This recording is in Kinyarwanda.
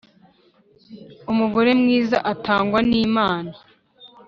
Umugore mwiza atangwa n’Imana